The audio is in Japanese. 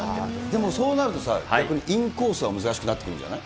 でもそうなるとさ、逆にインコースは難しくなってくるんじゃない？